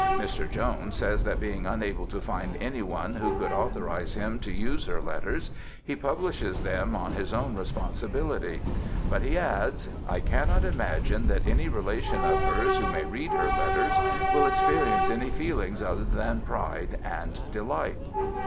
Mr. Jones says that being unable to find any one who could authorize him to use her letters, he publishes them on his own responsibility. But he adds, "I cannot imagine that any relation of hers who may read her letters will experience any feelings other than pride and delight."